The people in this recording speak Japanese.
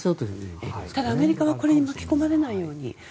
ただ、アメリカはこれに巻き込まれないように。